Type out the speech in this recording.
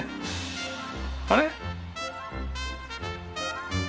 あれ？